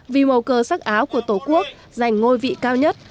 vì mầu cờ sắc áo của tổ quốc giành ngôi vị cao nhất